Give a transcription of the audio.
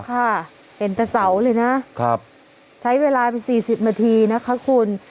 ค่ะเห็นแต่เสาเลยนะครับใช้เวลาไปสี่สิบมันทีนะคะคุณ